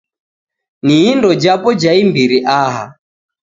Ni indo japo ja imbiri aha.